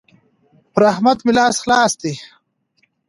پر احمد مې لاس خلاص دی.